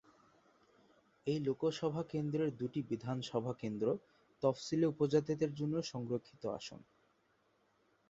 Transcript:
এই লোকসভা কেন্দ্রের দুটি বিধানসভা কেন্দ্র তফসিলী উপজাতিদের জন্য সংরক্ষিত আসন।